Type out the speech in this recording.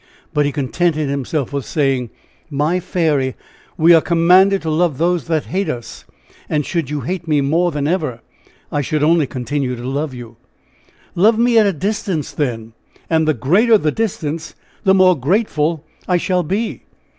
But he contented himself with saying: "My fairy! we are commanded to love those that hate us; and should you hate me more than ever, I should only continue to love you!" "Love me at a distance, then! and the greater the distance, the more grateful I shall be!"